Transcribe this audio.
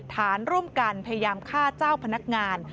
ฐานร่วมกันพยายามฆ่าเจ้าพนักงาน